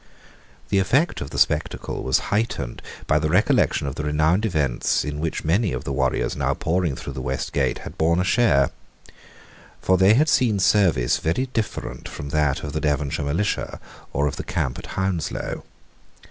The effect of the spectacle was heightened by the recollection of the renowned events in which many of the warriors now pouring through the West Gate had borne a share. For they had seen service very different from that of the Devonshire militia or of the camp at Hounslow.